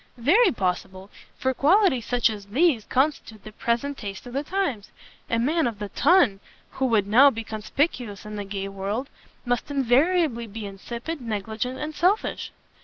"Very possible, for qualities such as these constitute the present taste of the times. A man of the Ton, who would now be conspicuous in the gay world, must invariably be insipid, negligent, and selfish."